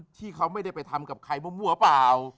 ที่เขาไม่ได้ไปทำกับใครมั่วเปล่า